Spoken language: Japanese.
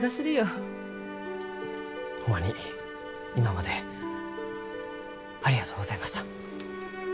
ホンマに今までありがとうございました。